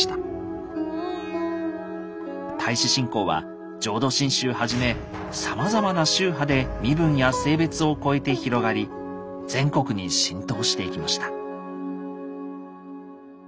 太子信仰は浄土真宗はじめさまざまな宗派で身分や性別を超えて広がり全国に浸透していきました。